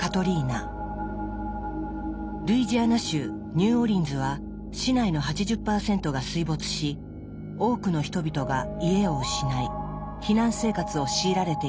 ルイジアナ州ニューオーリンズは市内の８０％が水没し多くの人々が家を失い避難生活を強いられていました。